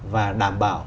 và đảm bảo